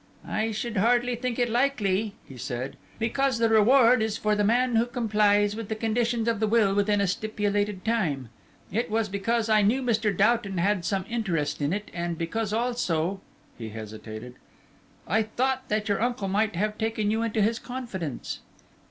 "I should hardly think it likely," he said, "because the reward is for the man who complies with the conditions of the will within a stipulated time. It was because I knew Mr. Doughton had some interest in it, and because also" he hesitated "I thought that your uncle might have taken you into his confidence."